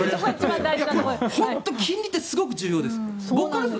金利ってすごく重要です。